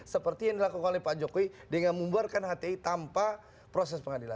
seperti yang dilakukan oleh pak jokowi dengan membuarkan hti tanpa proses pengadilan